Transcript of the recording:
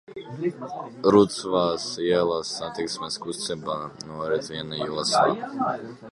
Rucavas ielā satiksmes kustība norit vienā joslā.